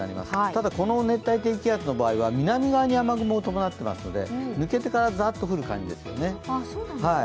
ただ、この熱帯低気圧の場合は南に雨雲を伴ってますので抜けてからザッと降る感じですよね。